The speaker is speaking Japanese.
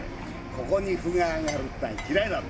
ここに歩が上がるってのは嫌いなの。